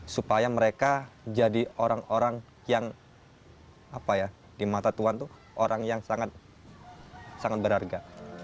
supaya mereka jadi orang orang yang apa ya di mata tuhan itu orang yang sangat berharga